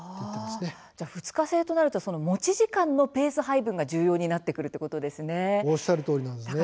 ２日制となると持ち時間のペース配分が重要になってくるということですね。